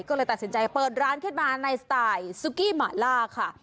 ก็เลยตัดสินใจเปิดร้านขึ้นมาในสไตล์ซุกี้หมาล่าค่ะ